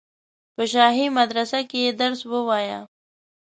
په شاهي مدرسه کې یې درس ووایه.